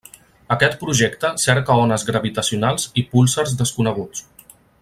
Aquest projecte cerca ones gravitacionals i púlsars desconeguts.